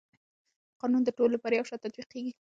قانون د ټولو لپاره یو شان تطبیقېږي.